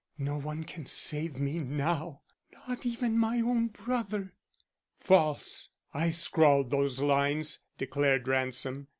No one can save me now, not even my own brother." "False. I scrawled those lines," declared Ransom.